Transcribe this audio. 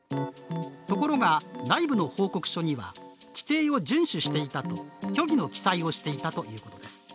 ところが、内部の報告書には規定を順守していたと虚偽の記載をしていたということです。